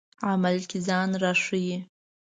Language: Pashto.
عمل کې ځان راښيي.